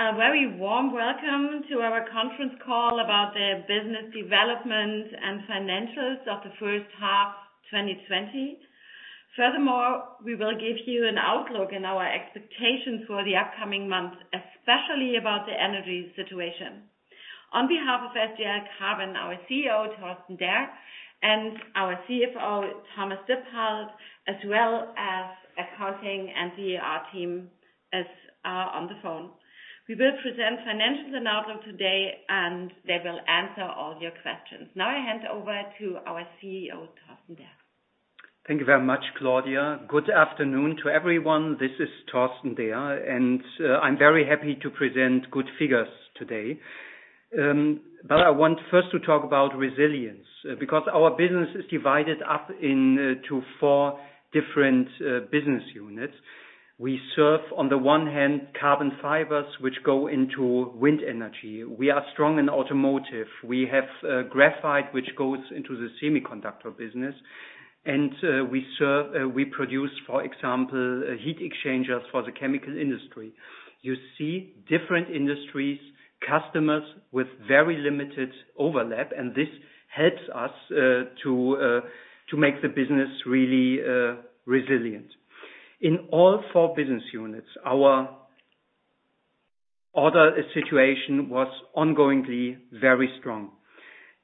A very warm welcome to our conference call about the business development and financials of the first half 2020. Furthermore, we will give you an outlook in our expectations for the upcoming months, especially about the energy situation. On behalf of SGL Carbon, our CEO, Torsten Derr, and our CFO, Thomas Dippold, as well as accounting and PR team is on the phone. We will present financials and outlook today, and they will answer all your questions. Now I hand over to our CEO, Torsten Derr. Thank you very much, Claudia. Good afternoon to everyone. This is Torsten Derr, and I'm very happy to present good figures today. I want first to talk about resilience, because our business is divided up into four different business units. We serve on the one hand carbon fibers, which go into wind energy. We are strong in automotive. We have graphite, which goes into the semiconductor business. We produce, for example, heat exchangers for the chemical industry. You see different industries, customers with very limited overlap, and this helps us to make the business really resilient. In all four business units, our order situation was ongoingly very strong.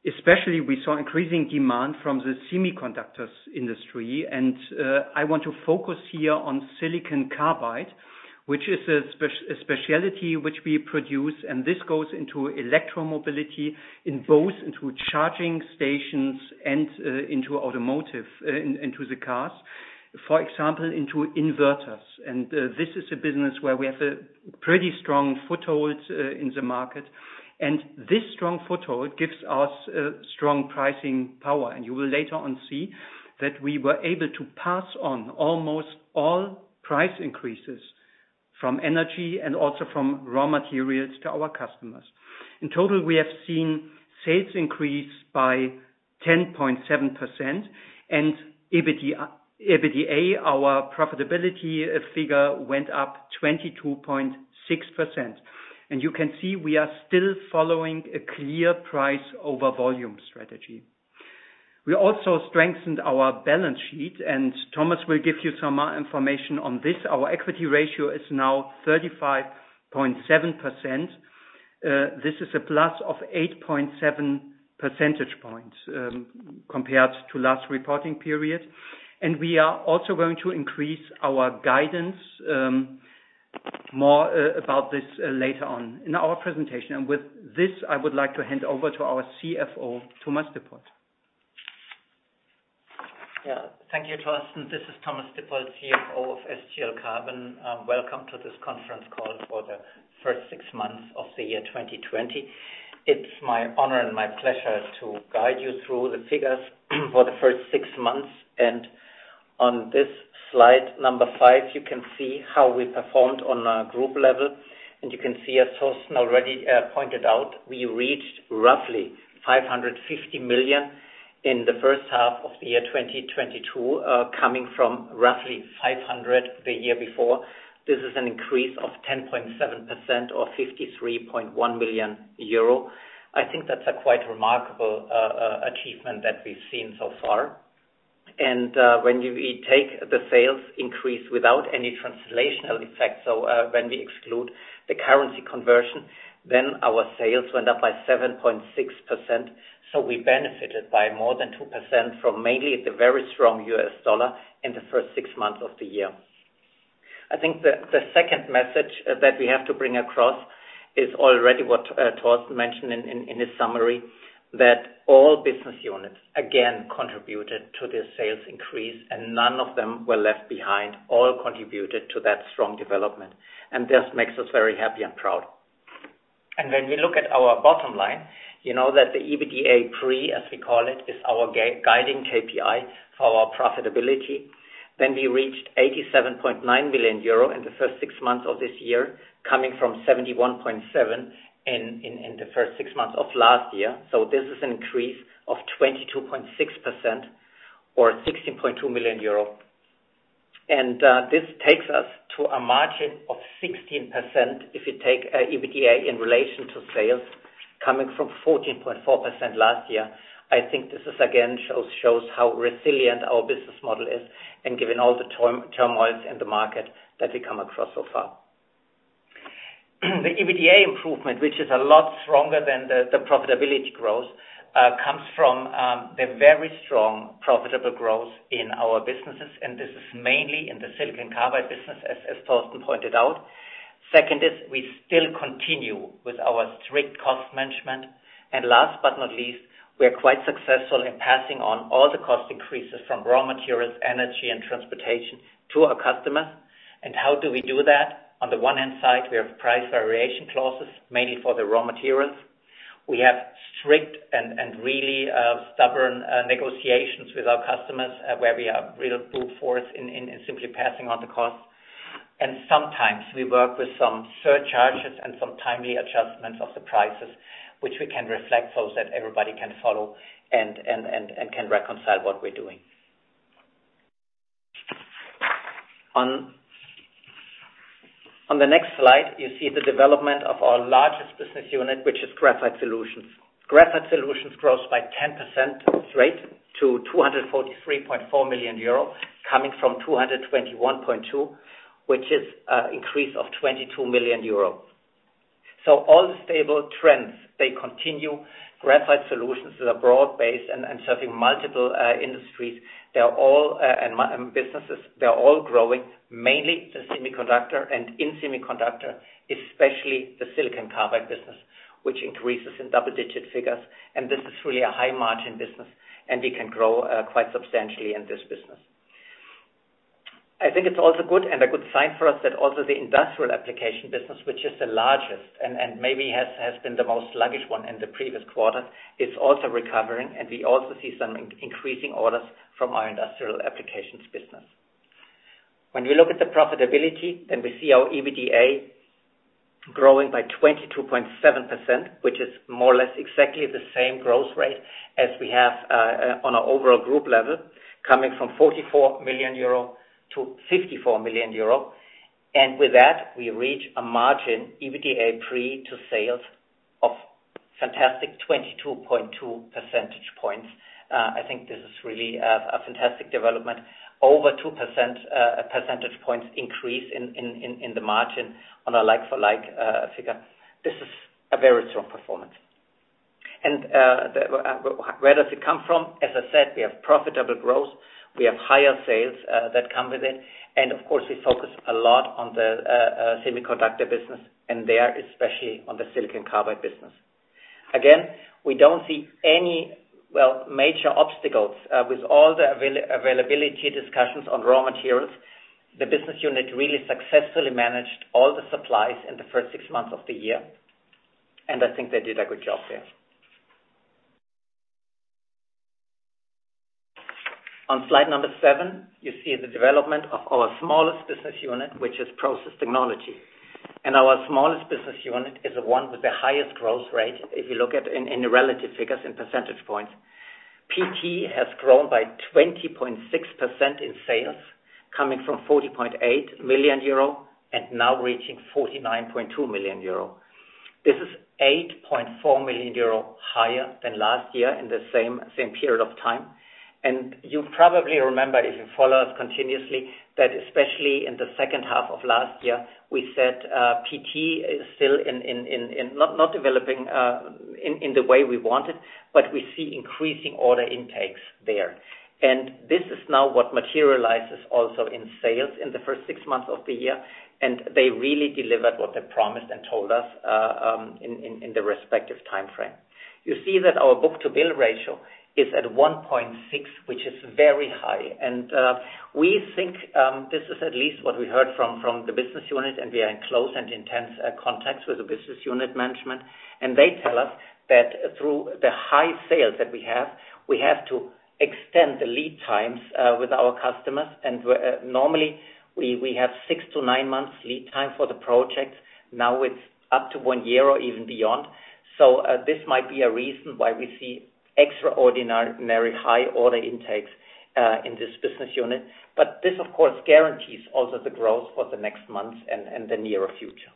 Especially, we saw increasing demand from the semiconductors industry, and I want to focus here on silicon carbide, which is a specialty which we produce, and this goes into electromobility in both into charging stations and into automotive, into the cars. For example, into inverters. This is a business where we have a pretty strong foothold in the market. This strong foothold gives us strong pricing power. You will later on see that we were able to pass on almost all price increases from energy and also from raw materials to our customers. In total, we have seen sales increase by 10.7% and EBITDA, our profitability figure, went up 22.6%. You can see we are still following a clear price over volume strategy. We also strengthened our balance sheet, and Thomas will give you some more information on this. Our equity ratio is now 35.7%. This is a plus of 8.7 percentage points, compared to last reporting period. We are also going to increase our guidance, more about this later on in our presentation. With this, I would like to hand over to our CFO, Thomas Dippold. Yeah. Thank you, Torsten. This is Thomas Dippold, CFO of SGL Carbon. Welcome to this conference call for the first six months of the year 2020. It's my honor and my pleasure to guide you through the figures for the first six months. On this slide five, you can see how we performed on a group level. You can see, as Torsten already pointed out, we reached roughly 550 million in the first half of the year 2022, coming from roughly 500 million the year before. This is an increase of 10.7% or 53.1 million euro. I think that's a quite remarkable achievement that we've seen so far. We take the sales increase without any translational effect, so when we exclude the currency conversion, then our sales went up by 7.6%. We benefited by more than 2% from mainly the very strong U.S. dollar in the first six months of the year. I think the second message that we have to bring across is already what Torsten mentioned in his summary, that all business units, again, contributed to the sales increase, and none of them were left behind. All contributed to that strong development, and this makes us very happy and proud. When we look at our bottom line, you know that the EBITDA pre, as we call it, is our guiding KPI for our profitability. We reached 87.9 million euro in the first six months of this year, coming from 71.7 in the first six months of last year. This is an increase of 22.6% or 16.2 million euro. This takes us to a margin of 16% if you take EBITDA in relation to sales coming from 14.4% last year. I think this again shows how resilient our business model is and given all the turmoil in the market that we come across so far. The EBITDA improvement, which is a lot stronger than the profitability growth, comes from the very strong profitable growth in our businesses, and this is mainly in the silicon carbide business, as Torsten pointed out. Second is we still continue with our strict cost management. Last but not least, we are quite successful in passing on all the cost increases from raw materials, energy and transportation to our customers. How do we do that? On the one hand side, we have price variation clauses, mainly for the raw materials. We have strict and really stubborn negotiations with our customers, where we have real brute force in simply passing on the costs. Sometimes we work with some surcharges and some timely adjustments of the prices, which we can reflect so that everybody can follow and can reconcile what we're doing. On the next slide, you see the development of our largest business unit, which is Graphite Solutions. Graphite Solutions grows by 10% rate to 243.4 million euro, coming from 221.2, which is increase of 22 million euro. All the stable trends, they continue. Graphite Solutions is a broad base and serving multiple industries. They are all and businesses, they are all growing, mainly the semiconductor and in semiconductor, especially the silicon carbide business, which increases in double-digit figures. This is really a high margin business, and we can grow quite substantially in this business. I think it's also good and a good sign for us that also the industrial application business, which is the largest and maybe has been the most sluggish one in the previous quarter, is also recovering, and we also see some increasing orders from our industrial applications business. When we look at the profitability, we see our EBITDA growing by 22.7%, which is more or less exactly the same growth rate as we have on an overall group level, coming from 44 million euro to 54 million euro. With that, we reach a margin EBITDA pre to sales of fantastic 22.2 percentage points. I think this is really a fantastic development. Over 2 percentage points increase in the margin on a like-for-like figure. This is a very strong performance. Where does it come from? As I said, we have profitable growth. We have higher sales that come with it. Of course, we focus a lot on the semiconductor business and there, especially on the silicon carbide business. We don't see any, well, major obstacles with all the availability discussions on raw materials. The business unit really successfully managed all the supplies in the first six months of the year, and I think they did a good job there. On slide number seven, you see the development of our smallest business unit, which is Process Technology. Our smallest business unit is the one with the highest growth rate, if you look at the relative figures in percentage points. PT has grown by 20.6% in sales, coming from 40.8 million euro and now reaching 49.2 million euro. This is 8.4 million euro higher than last year in the same period of time. You probably remember, if you follow us continuously, that especially in the second half of last year, we said PT is still not developing in the way we wanted, but we see increasing order intakes there. This is now what materializes also in sales in the first six months of the year. They really delivered what they promised and told us in the respective time frame. You see that our book-to-bill ratio is at 1.6x, which is very high. We think this is at least what we heard from the business unit, and we are in close and intense contacts with the business unit management. They tell us that through the high sales that we have, we have to extend the lead times with our customers. Normally we have six to nine months lead time for the projects. Now it's up to one year or even beyond. This might be a reason why we see extraordinarily high order intakes in this business unit. This of course guarantees also the growth for the next months and the nearer future.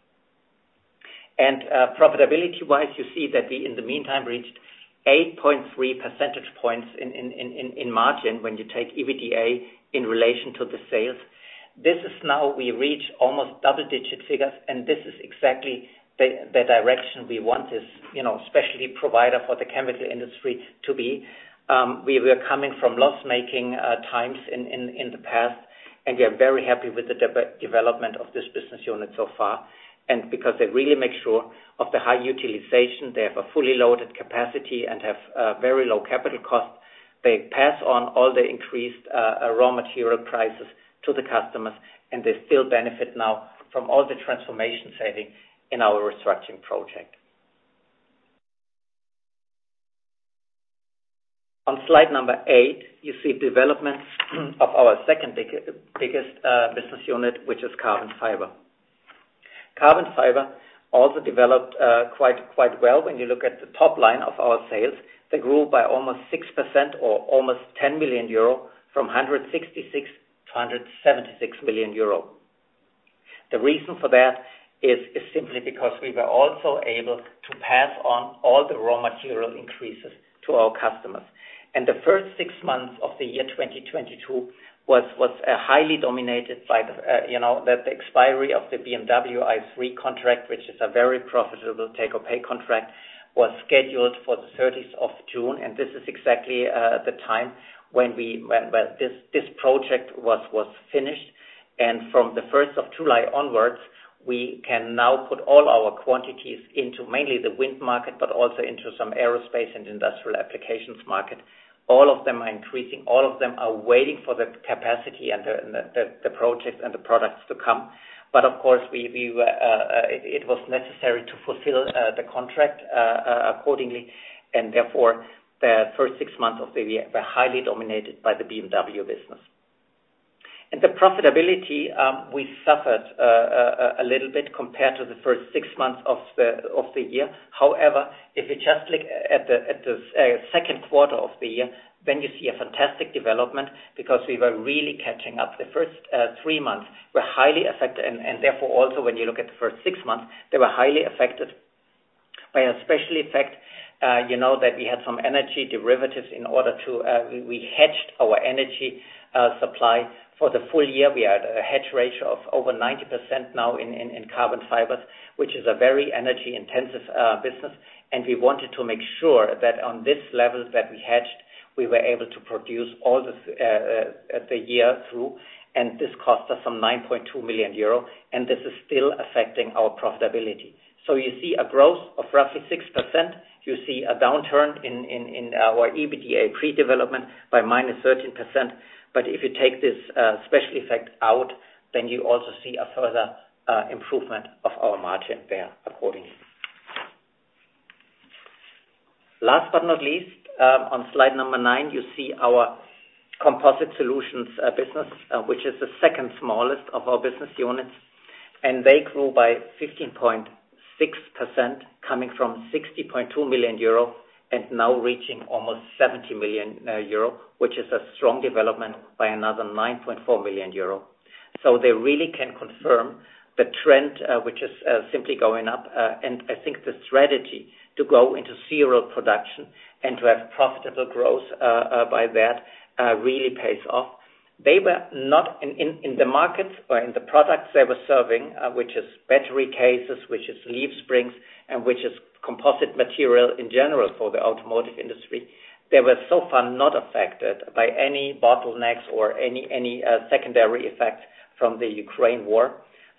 Profitability-wise, you see that we, in the meantime, reached 8.3 percentage points in margin when you take EBITDA in relation to the sales. This is now we reach almost double-digit figures, and this is exactly the direction we want this, you know, specialty provider for the chemical industry to be. We were coming from loss-making times in the past, and we are very happy with the development of this business unit so far. Because they really make sure of the high utilization, they have a fully loaded capacity and have very low capital costs. They pass on all the increased raw material prices to the customers, and they still benefit now from all the transformation saving in our restructuring project. On slide number eight, you see development of our second biggest business unit, which is carbon fiber. Carbon fiber also developed quite well when you look at the top line of our sales. They grew by almost 6% or almost 10 million euro from 166 million euro to 176 million euro. The reason for that is simply because we were also able to pass on all the raw material increases to our customers. The first six months of the year 2022 was highly dominated by you know the expiry of the BMW i3 contract, which is a very profitable take-or-pay contract, was scheduled for the 30th of June. This is exactly the time when this project was finished. From the 1st of July onwards, we can now put all our quantities into mainly the wind market, but also into some aerospace and industrial applications market. All of them are increasing. All of them are waiting for the capacity and the projects and the products to come. Of course, it was necessary to fulfill the contract accordingly. Therefore, the first six months of the year were highly dominated by the BMW business. The profitability, we suffered a little bit compared to the first six months of the year. However, if you just look at the second quarter of the year, then you see a fantastic development because we were really catching up. The first three months were highly affected, and therefore, also when you look at the first six months, they were highly affected by a special effect, you know, that we had some energy derivatives in order to, we hedged our energy supply for the full year. We had a hedge ratio of over 90% now in carbon fibers, which is a very energy-intensive business. We wanted to make sure that on this level that we hedged, we were able to produce all the year through, and this cost us 9.2 million euro, and this is still affecting our profitability. You see a growth of roughly 6%. You see a downturn in our EBITDA pre-development by -13%. If you take this special effect out, then you also see a further improvement of our margin there accordingly. Last but not least, on slide number nine, you see our Composite Solutions business, which is the second smallest of our business units, and they grew by 15.6%, coming from 60.2 million euro and now reaching almost 70 million euro, which is a strong development by another 9.4 million euro. They really can confirm the trend, which is simply going up. I think the strategy to go into serial production and to have profitable growth by that really pays off. They were not in the markets or in the products they were serving, which is battery cases, which is leaf springs, and which is composite material in general for the automotive industry. They were so far not affected by any bottlenecks or any secondary effect from the Ukraine war.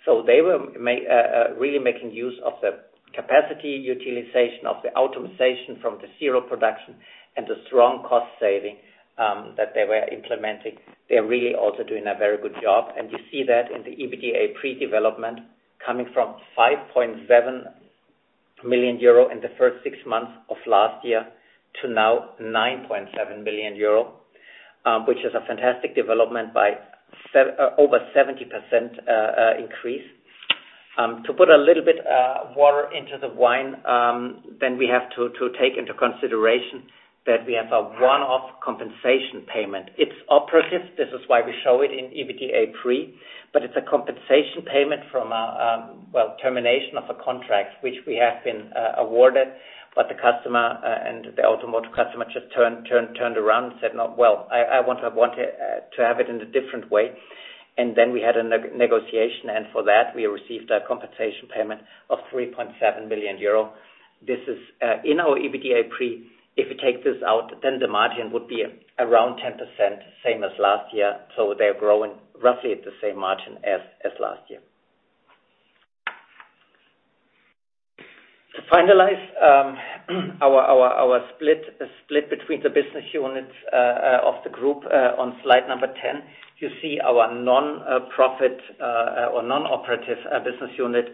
They were really making use of the capacity utilization of the automation from the serial production and the strong cost saving that they were implementing. They're really also doing a very good job, and you see that in the EBITDA pre development coming from 5.7 million euro in the first six months of last year to now 9.7 million euro, which is a fantastic development by over 70% increase. To put a little bit of water into the wine, then we have to take into consideration that we have a one-off compensation payment. It's operative. This is why we show it in EBITDA pre, but it's a compensation payment from a termination of a contract which we have been awarded, but the customer and the automotive customer just turned around and said, "No. Well, I want to have it in a different way. Then we had a negotiation, and for that, we received a compensation payment of 3.7 million euro. This is in our EBITDA pre. If you take this out, then the margin would be around 10%, same as last year. They're growing roughly at the same margin as last year. To finalize our split between the business units of the group, on slide number 10, you see our non-profit or non-operative business unit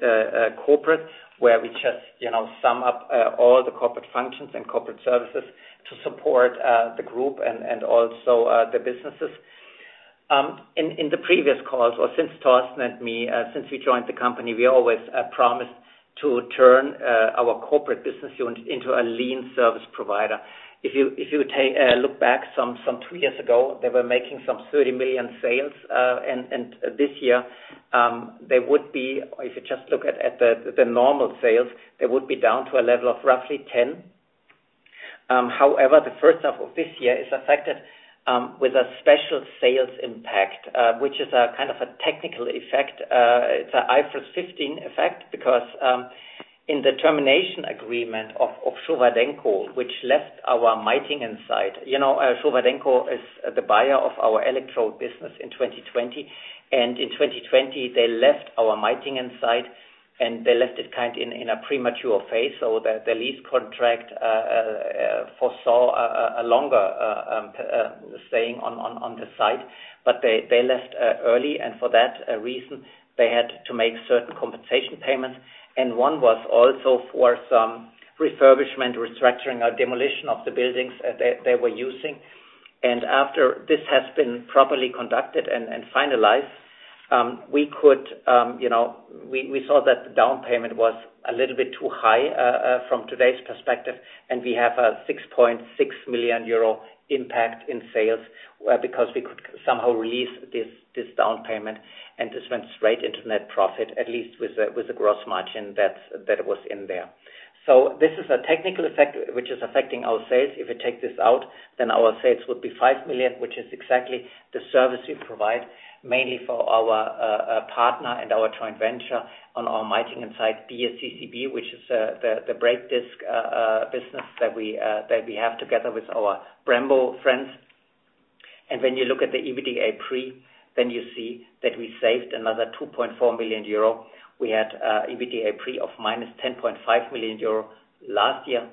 corporate, where we just, you know, sum up all the corporate functions and corporate services to support the group and also the businesses. In the previous calls or since Torsten and me since we joined the company, we always promised to turn our corporate business unit into a lean service provider. If you look back two years ago, they were making 30 million sales and this year they would be or if you just look at the normal sales, they would be down to a level of roughly 10 million. However, the first half of this year is affected with a special sales impact which is a kind of a technical effect. It's an IFRS 15 effect because in the termination agreement of Showa Denko, which left our Meitingen site. You know, Showa Denko is the buyer of our electrode business in 2020, and in 2020 they left our Meitingen site, and they left it kind of in a premature phase so that the lease contract foresaw a longer staying on the site. They left early, and for that reason, they had to make certain compensation payments, and one was also for some refurbishment, restructuring, or demolition of the buildings they were using. After this has been properly conducted and finalized, we could, you know, we saw that the down payment was a little bit too high from today's perspective, and we have a 6.6 million euro impact in sales, because we could somehow release this down payment, and this went straight into net profit, at least with the gross margin that was in there. This is a technical effect which is affecting our sales. If we take this out, then our sales would be 5 million, which is exactly the service we provide mainly for our partner and our joint venture on our Meitingen site, BSCCB, which is the brake disc business that we have together with our Brembo friends. When you look at the EBITDA pre, then you see that we saved another 2.4 million euro. We had EBITDA pre of -10.5 million euro last year,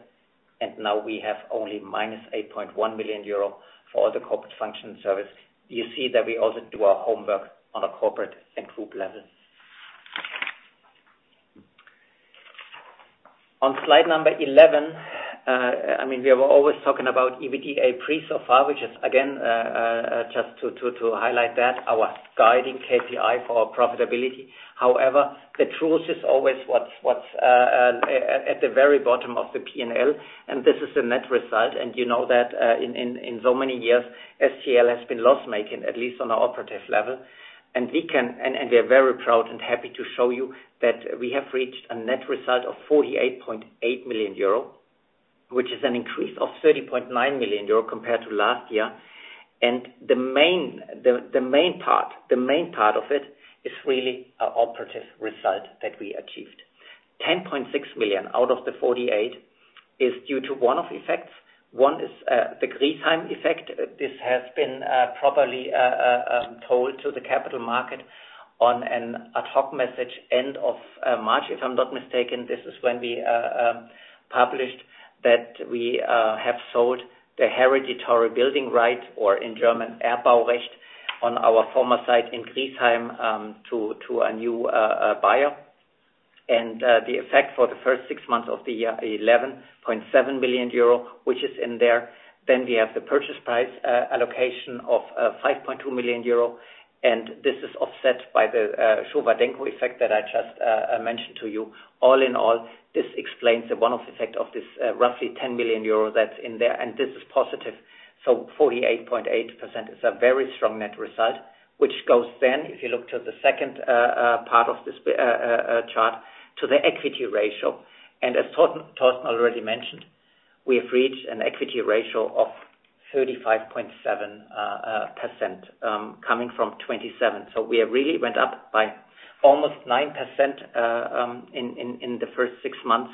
and now we have only -8.1 million euro for the corporate function service. You see that we also do our homework on a corporate and group level. On slide 11, I mean, we are always talking about EBITDA pre so far, which is again just to highlight that our guiding KPI for profitability. However, the truth is always what's at the very bottom of the P&L, and this is the net result. You know that in so many years, SGL has been loss-making, at least on an operative level. We are very proud and happy to show you that we have reached a net result of 48.8 million euro, which is an increase of 30.9 million euro compared to last year. The main part of it is really our operative result that we achieved. 10.6 million out of the 48 million is due to one-off effects. One is the Griesheim effect. This has been properly told to the capital market on an ad hoc message end of March, if I'm not mistaken. This is when we published that we have sold the hereditary building right or in German, Erbbaurecht, on our former site in Griesheim to a new buyer. The effect for the first six months of the year, 11.7 million euro, which is in there. Then we have the purchase price allocation of 5.2 million euro, and this is offset by the Showa Denko effect that I just mentioned to you. All in all, this explains the one-off effect of this roughly 10 million euro that's in there, and this is positive. 48.8% is a very strong net result, which goes then, if you look to the second part of this chart, to the equity ratio. As Torsten already mentioned, we have reached an equity ratio of 35.7%, coming from 27%. We have really went up by almost 9% in the first six months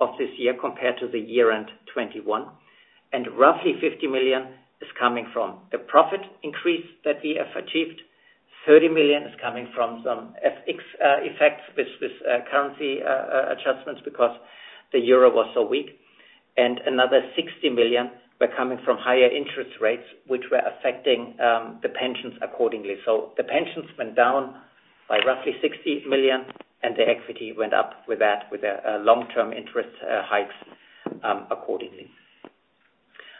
of this year compared to the year-end 2021. Roughly 50 million is coming from the profit increase that we have achieved. 30 million is coming from some FX effects with currency adjustments because the euro was so weak. Another 60 million were coming from higher interest rates, which were affecting the pensions accordingly. The pensions went down by roughly 60 million, and the equity went up with that, with long-term interest hikes accordingly.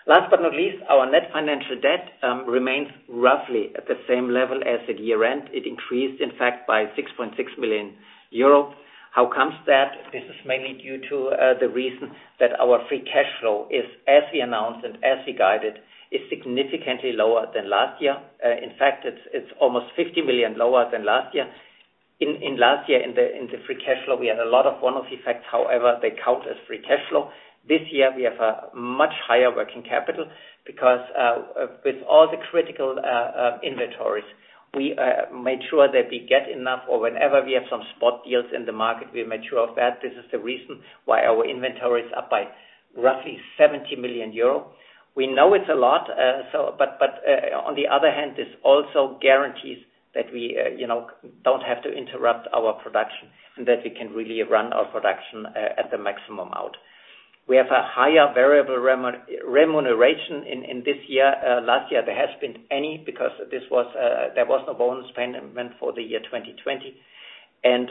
Last but not least, our net financial debt remains roughly at the same level as at year-end. It increased, in fact, by 6.6 million euro. How come that? This is mainly due to the reason that our free cash flow is, as we announced and as we guided, significantly lower than last year. In fact, it's almost 50 million lower than last year. In last year, in the free cash flow, we had a lot of one-off effects. However, they count as free cash flow. This year we have a much higher working capital because with all the critical inventories, we made sure that we get enough or whenever we have some spot deals in the market, we made sure of that. This is the reason why our inventory is up by roughly 70 million euro. We know it's a lot, but on the other hand, this also guarantees that we, you know, don't have to interrupt our production and that we can really run our production at the maximum out. We have a higher variable remuneration in this year. Last year there hasn't been any, because this was, there was no bonus payment for the year 2020.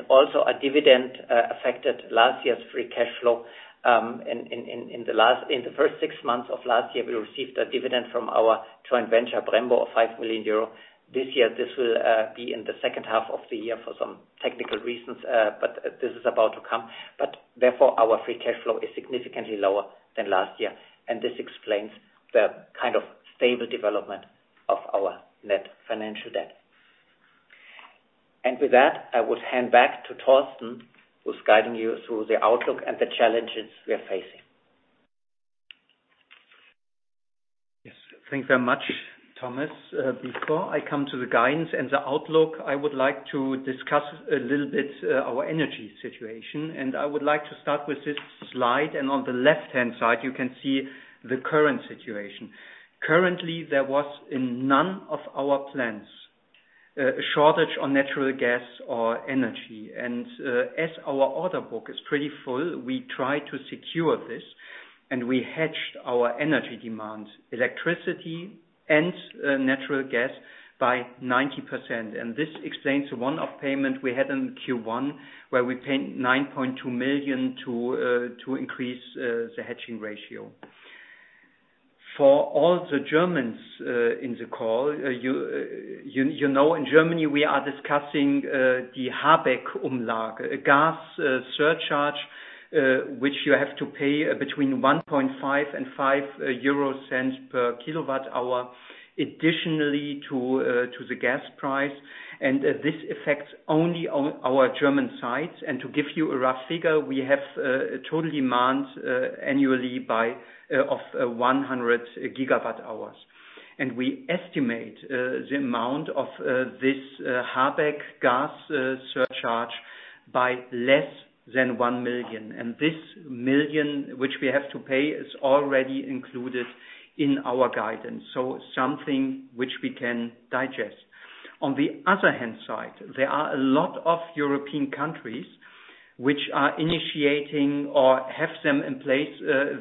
Also a dividend affected last year's free cash flow. In the first six months of last year, we received a dividend from our joint venture, Brembo, of 5 million euro. This year, this will be in the second half of the year for some technical reasons, but this is about to come. Therefore, our free cash flow is significantly lower than last year. This explains the kind of stable development of our net financial debt. With that, I would hand back to Torsten, who's guiding you through the outlook and the challenges we are facing. Yes. Thank you very much, Thomas. Before I come to the guidance and the outlook, I would like to discuss a little bit our energy situation. I would like to start with this slide, and on the left-hand side, you can see the current situation. Currently, there was in none of our plants a shortage on natural gas or energy. As our order book is pretty full, we try to secure this, and we hedged our energy demands, electricity and natural gas by 90%. This explains the one-off payment we had in Q1, where we paid 9.2 million to increase the hedging ratio. For all the Germans in the call, you know, in Germany we are discussing the Habeck Umlage, a gas surcharge which you have to pay between 1.5 and 0.5 per kWh additionally to the gas price. This affects only our German sites. To give you a rough figure, we have a total demand annually of 100 GWh. We estimate the amount of this Habeck gas surcharge by less than 1 million. This 1 million, which we have to pay, is already included in our guidance, so something which we can digest. On the other hand side, there are a lot of European countries which are initiating or have them in place,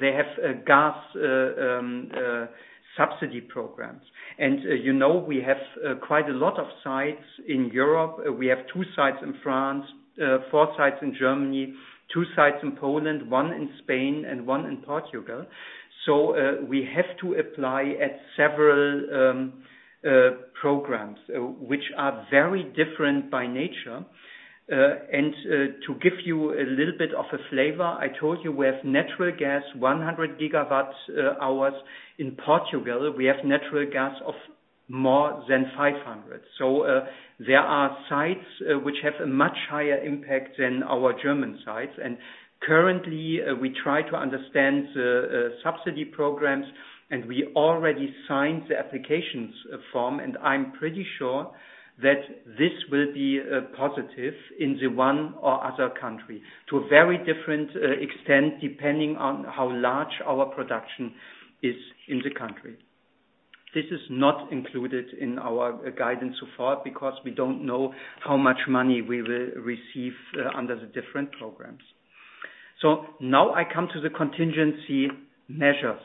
they have a gas subsidy program. You know, we have quite a lot of sites in Europe. We have two sites in France, four sites in Germany, two sites in Poland, one in Spain and one in Portugal. We have to apply at several programs which are very different by nature. To give you a little bit of a flavor, I told you we have natural gas 100 GWh in Portugal. We have natural gas of more than 500 GWh. There are sites which have a much higher impact than our German sites. Currently, we try to understand the subsidy programs, and we already signed the applications form. I'm pretty sure that this will be positive in the one or other country to a very different extent, depending on how large our production is in the country. This is not included in our guidance so far because we don't know how much money we will receive under the different programs. Now I come to the contingency measures.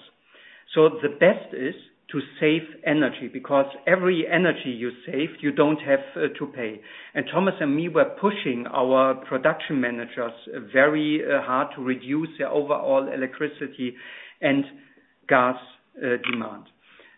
The best is to save energy, because every energy you save, you don't have to pay. Thomas and me were pushing our production managers very hard to reduce the overall electricity and gas demand.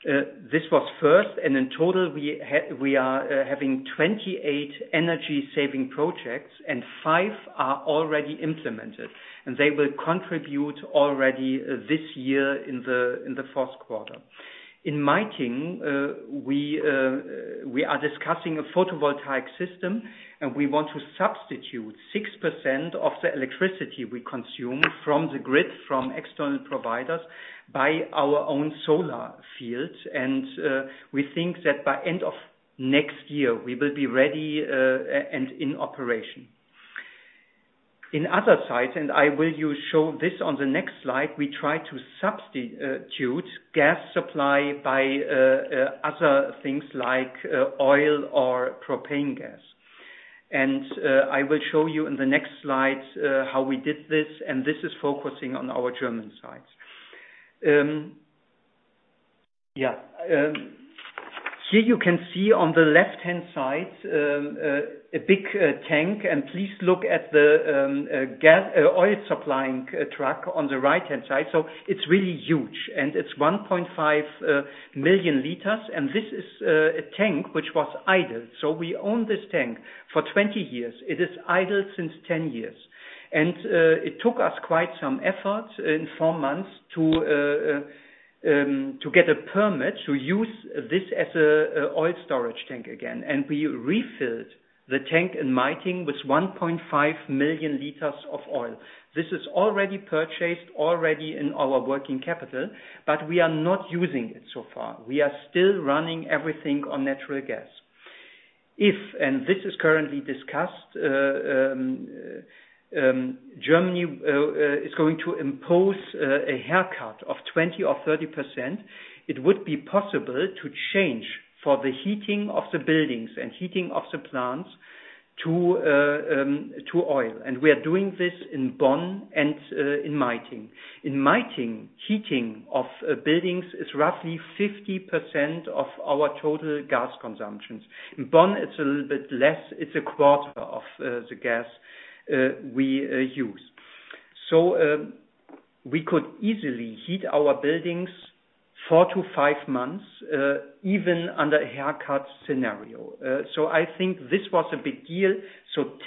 This was first, and in total we are having 28 energy saving projects, and five are already implemented, and they will contribute already this year in the fourth quarter. In Meitingen, we are discussing a photovoltaic system, and we want to substitute 6% of the electricity we consume from the grid from external providers by our own solar fields. We think that by end of next year we will be ready and in operation. In other sites, I will show you this on the next slide, we try to substitute gas supply by other things like oil or propane gas. I will show you in the next slide how we did this. This is focusing on our German sites. Here you can see on the left-hand side a big tank. Please look at the gas-oil supplying truck on the right-hand side. So it's really huge and it's 1.5 million L. This is a tank which was idle. We own this tank for 20 years. It is idle since 10 years. It took us quite some effort in four months to get a permit to use this as a oil storage tank again. We refilled the tank in Meitingen with 1.5 million L of oil. This is already purchased in our working capital, but we are not using it so far. We are still running everything on natural gas. This is currently discussed, Germany is going to impose a haircut of 20% or 30%. It would be possible to change for the heating of the buildings and heating of the plants to oil. We are doing this in Bonn and in Meitingen. In Meitingen, heating of buildings is roughly 50% of our total gas consumptions. In Bonn, it's a little bit less. It's 1/4 of the gas we use. We could easily heat our buildings four to five months even under a haircut scenario. I think this was a big deal.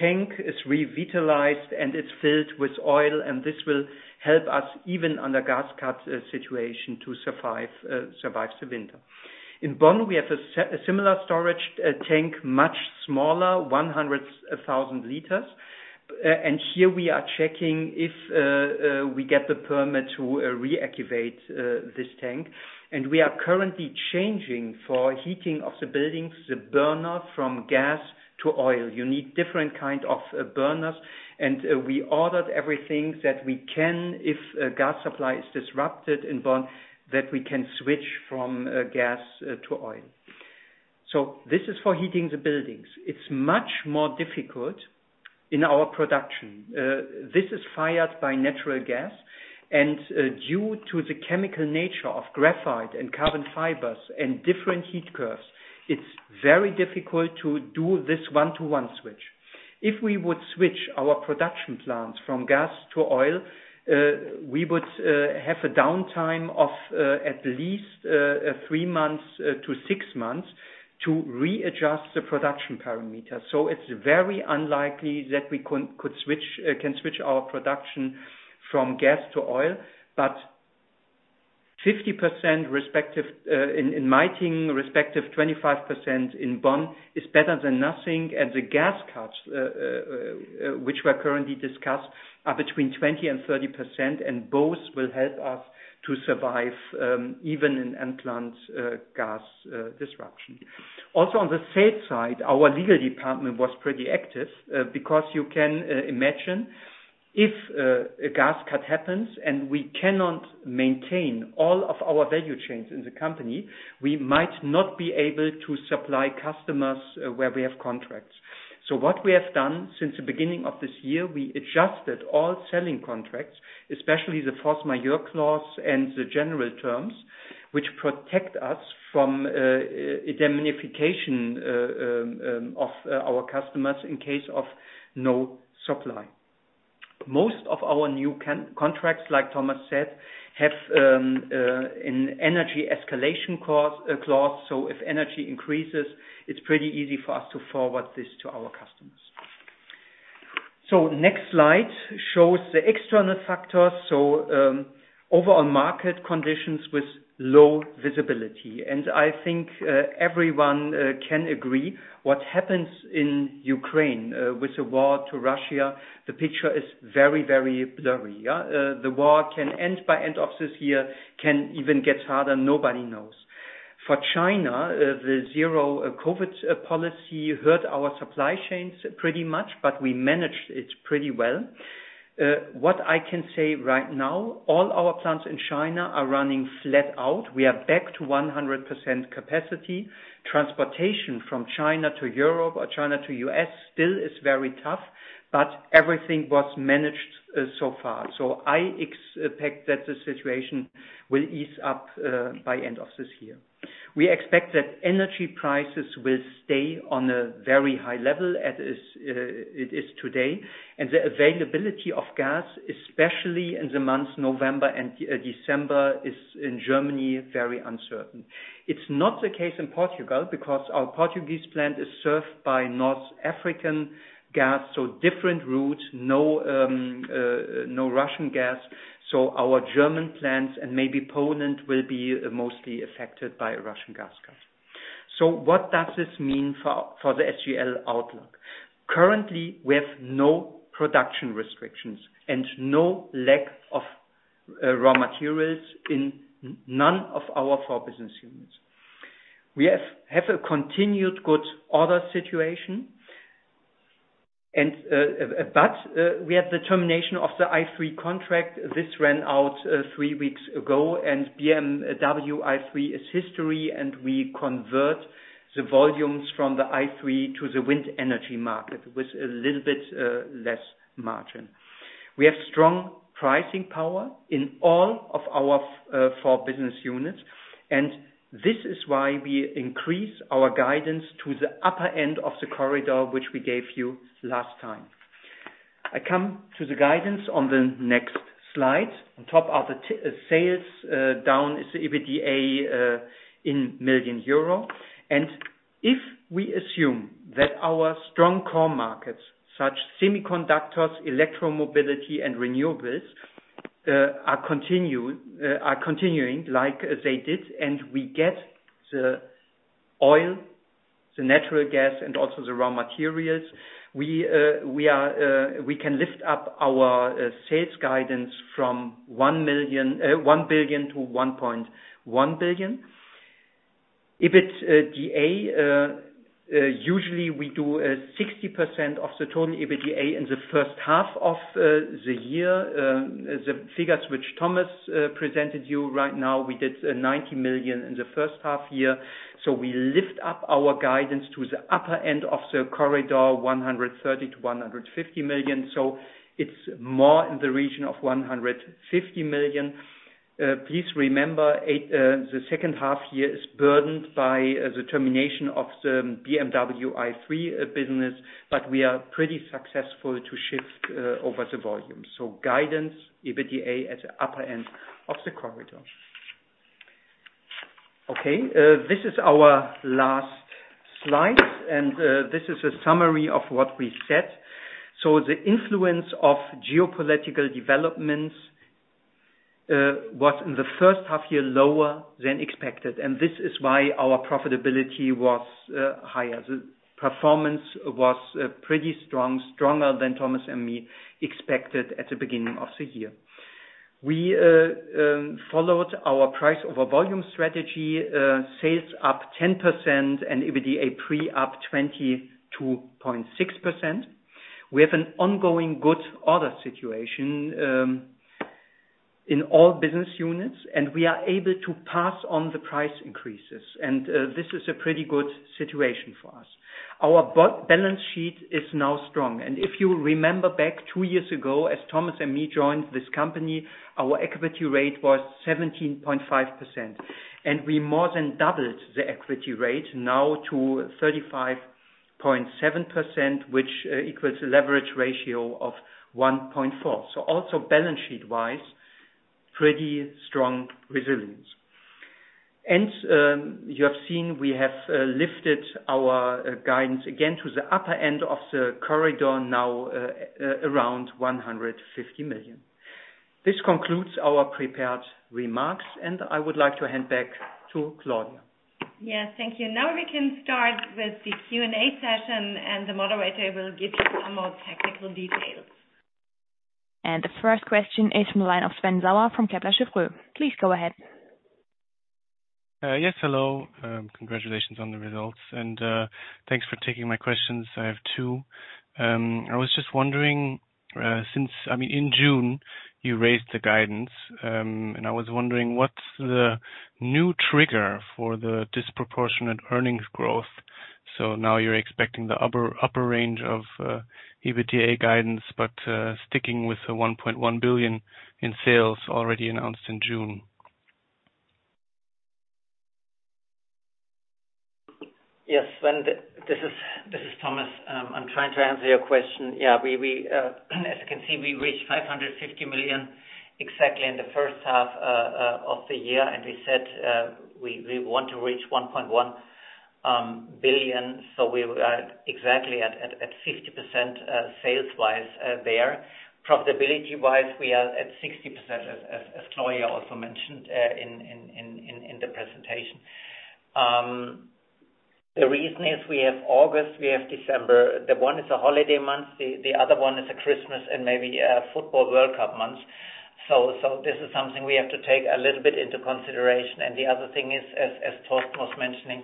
Tank is revitalized and it's filled with oil, and this will help us, even under gas cut situation, to survive the winter. In Bonn, we have a similar storage tank, much smaller, 100,000 L. Here we are checking if we get the permit to reactivate this tank. We are currently changing for heating of the buildings, the burner from gas to oil. You need different kind of burners. We ordered everything that we can if a gas supply is disrupted in Bonn, that we can switch from gas to oil. This is for heating the buildings. It's much more difficult in our production. This is fired by natural gas. Due to the chemical nature of graphite and carbon fibers and different heat curves, it's very difficult to do this one-to-one switch. If we would switch our production plants from gas to oil, we would have a downtime of at least three months to six months to readjust the production parameters. It's very unlikely that we can switch our production from gas to oil. But 50% respectively in Meitingen, respectively 25% in Bonn is better than nothing. The gas cuts, which we're currently discussing are between 20% and 30%, and both will help us to survive, even in end-to-end gas disruption. Also, on the safe side, our legal department was pretty active, because you can imagine if a gas cut happens and we cannot maintain all of our value chains in the company, we might not be able to supply customers where we have contracts. What we have done since the beginning of this year, we adjusted all selling contracts, especially the force majeure clause and the general terms, which protect us from indemnification of our customers in case of no supply. Most of our new contracts, like Thomas said, have an energy escalation clause. If energy increases, it's pretty easy for us to forward this to our customers. Next slide shows the external factors. Overall market conditions with low visibility. I think everyone can agree what happens in Ukraine with the war to Russia, the picture is very, very blurry, yeah. The war can end by end of this year, can even get harder, nobody knows. For China, the zero COVID policy hurt our supply chains pretty much, but we managed it pretty well. What I can say right now, all our plants in China are running flat out. We are back to 100% capacity. Transportation from China to Europe or China to U.S. still is very tough, but everything was managed so far. I expect that the situation will ease up by end of this year. We expect that energy prices will stay on a very high level as it is today, and the availability of gas, especially in the months November and December, is in Germany, very uncertain. It's not the case in Portugal because our Portuguese plant is served by North African gas, so different route, no Russian gas. Our German plants and maybe Poland will be mostly affected by Russian gas cut. What does this mean for the SGL outlook? Currently, we have no production restrictions and no lack of raw materials in none of our four business units. We have a continued good order situation and but we have the termination of the i3 contract. This ran out three weeks ago, and BMW i3 is history, and we convert the volumes from the i3 to the wind energy market with a little bit less margin. We have strong pricing power in all of our four business units, and this is why we increase our guidance to the upper end of the corridor, which we gave you last time. I come to the guidance on the next slide. On top of the sales down is the EBITDA in million euro. If we assume that our strong core markets, such as semiconductors, electro mobility, and renewables, are continuing like they did, and we get the oil, the natural gas, and also the raw materials, we can lift up our sales guidance from 1 billion to 1.1 billion. EBITDA. Usually we do 60% of the total EBITDA in the first half of the year. The figures which Thomas presented you right now, we did 90 million in the first half year. We lift up our guidance to the upper end of the corridor, 130 million-150 million. It's more in the region of 150 million. Please remember eight, the second half year is burdened by the termination of the BMW i3 business, but we are pretty successful to shift over the volume. Guidance, EBITDA at the upper end of the corridor. This is our last slide, and this is a summary of what we said. The influence of geopolitical developments was in the first half year lower than expected, and this is why our profitability was higher. The performance was pretty strong, stronger than Thomas and me expected at the beginning of the year. We followed our price over volume strategy, sales up 10% and EBITDA pre up 22.6%. We have an ongoing good order situation in all business units, and we are able to pass on the price increases, and this is a pretty good situation for us. Our balance sheet is now strong. If you remember back two years ago, as Thomas and me joined this company, our equity rate was 17.5%, and we more than doubled the equity rate now to 35.7%, which equals a leverage ratio of 1.4x. Also balance sheet-wise, pretty strong resilience. You have seen we have lifted our guidance again to the upper end of the corridor now, around 150 million. This concludes our prepared remarks, and I would like to hand back to Claudia. Yes, thank you. Now we can start with the Q&A session, and the moderator will give you some more technical details. The first question is from the line of Sven Sauer from Kepler Cheuvreux. Please go ahead. Yes. Hello. Congratulations on the results, and thanks for taking my questions. I have two. I was just wondering, I mean, in June, you raised the guidance, and I was wondering what's the new trigger for the disproportionate earnings growth. Now you're expecting the upper range of EBITDA guidance, but sticking with the 1.1 billion in sales already announced in June. Yes. This is Thomas. I'm trying to answer your question. Yeah. As you can see, we reached 550 million exactly in the first half of the year, and we said we want to reach 1.1 billion. So we are exactly at 50% sales-wise there. Profitability-wise, we are at 60% as Claudia also mentioned in the presentation. The reason is we have August, we have December. The one is a holiday month, the other one is a Christmas and maybe a football World Cup month. So this is something we have to take a little bit into consideration. The other thing is, as Torsten was mentioning,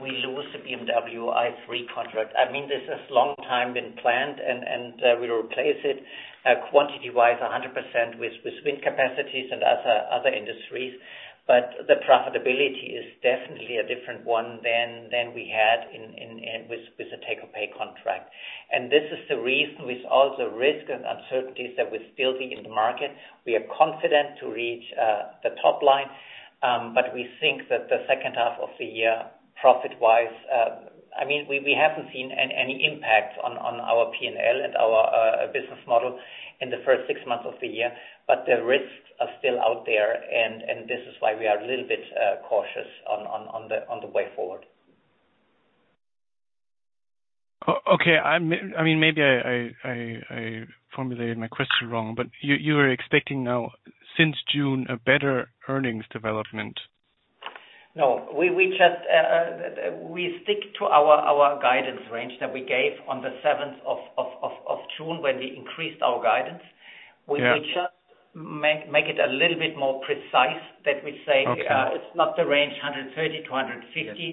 we lose the BMW i3 contract. I mean, this has long time been planned and we replace it quantity-wise 100% with wind capacities and other industries. The profitability is definitely a different one than we had with the take-or-pay contract. This is the reason with all the risk and uncertainties that we still see in the market. We are confident to reach the top line, but we think that the second half of the year, profit-wise, I mean, we haven't seen any impact on our P&L and our business model in the first six months of the year, but the risks are still out there and this is why we are a little bit cautious on the way forward. Okay. I mean, maybe I formulated my question wrong, but you were expecting now since June, a better earnings development. No. We just stick to our guidance range that we gave on the seventh of June when we increased our guidance. Yeah. We will just make it a little bit more precise that we say. Okay. It's not the range 130 million-150 million. Yeah.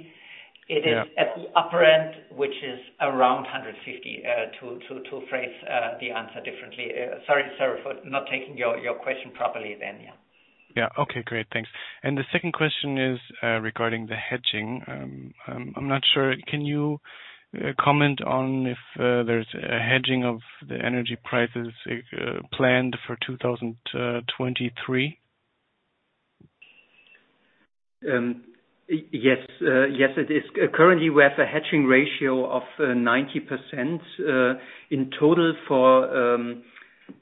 It is at the upper end, which is around 150 million, to phrase the answer differently. Sorry, sir, for not taking your question properly then. Yeah. Yeah. Okay, great. Thanks. The second question is, regarding the hedging. I'm not sure, can you comment on if there's a hedging of the energy prices, planned for 2023? Yes it is. Currently, we have a hedging ratio of 90% in total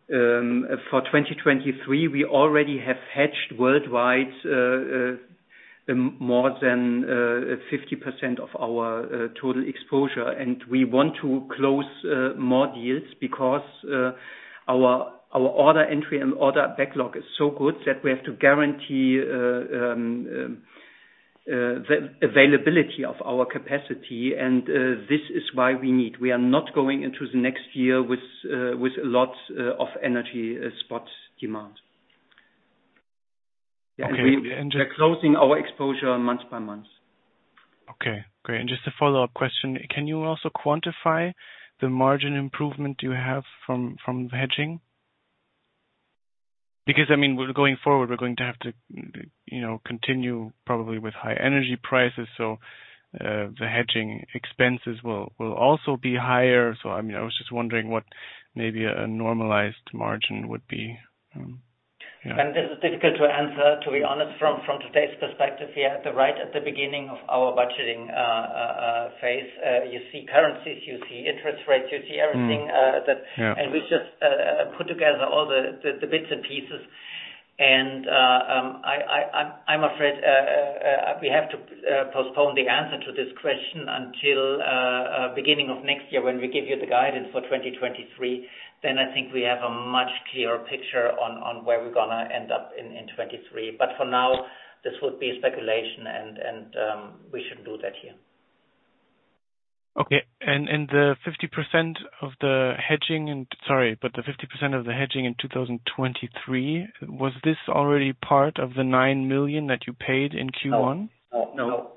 for 2023. We already have hedged worldwide more than 50% of our total exposure. We want to close more deals because our order entry and order backlog is so good that we have to guarantee the availability of our capacity. This is why we need. We are not going into the next year with a lot of energy spot demand. Okay. We are closing our exposure month by month. Okay, great. Just a follow-up question. Can you also quantify the margin improvement you have from the hedging? Because, I mean, we're going forward, we're going to have to, you know, continue probably with high energy prices. The hedging expenses will also be higher. I mean, I was just wondering what maybe a normalized margin would be. Yeah. This is difficult to answer, to be honest, from today's perspective, we are right at the beginning of our budgeting phase. You see currencies, you see interest rates, you see everything. Yeah. We just put together all the bits and pieces and I'm afraid we have to postpone the answer to this question until beginning of next year when we give you the guidance for 2023. Then I think we have a much clearer picture on where we're gonna end up in 2023. For now, this would be speculation and we shouldn't do that here. Okay. Sorry, but the 50% of the hedging in 2023, was this already part of the 9 million that you paid in Q1? No. No.